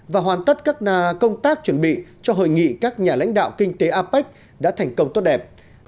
và hoàn tất các công tác chuẩn bị cho hội nghị các nhà lãnh đạo kinh tế apec đã thành công tốt đẹp